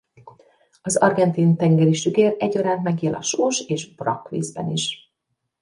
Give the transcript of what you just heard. Az argentin tengeri sügér egyaránt megél a sós- és brakkvízben is.